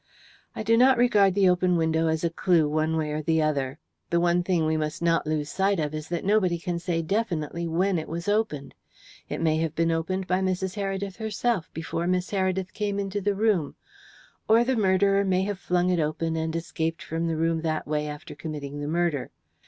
"I do not regard the open window as a clue one way or the other. The one thing we must not lose sight of is that nobody can say definitely when it was opened. It may have been opened by Mrs. Heredith herself before Miss Heredith came into the room, or the murderer may have flung it open and escaped from the room that way after committing the murder.